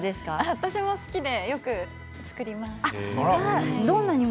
私も好きでよく作ります。